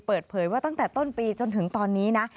เปิดเผยว่าตั้งแต่ต้นปีจนถึงตอนนี้นะ